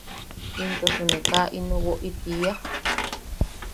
–¿Intosu ne kaa ino woʼi tiia?